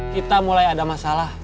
kita mulai ada masalah